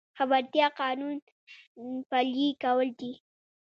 خبرتیا د قانون پلي کول دي